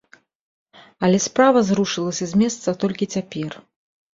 Але справа зрушылася з месца толькі цяпер.